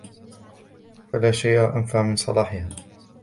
فَلَا شَيْءَ أَنْفَعُ مِنْ صَلَاحِهَا